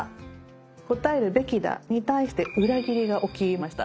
「答えるべきだ」に対して裏切りがおきました。